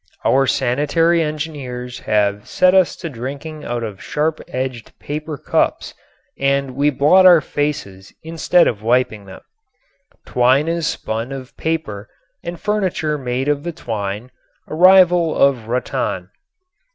Our sanitary engineers have set us to drinking out of sharp edged paper cups and we blot our faces instead of wiping them. Twine is spun of paper and furniture made of the twine, a rival of rattan.